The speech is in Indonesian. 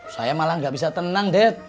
saya malah enggak bisa tenang dad